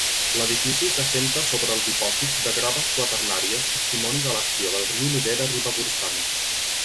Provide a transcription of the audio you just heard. L'edifici s'assenta sobre el dipòsit de graves quaternàries testimoni de l'acció del riu Noguera Ribagorçana.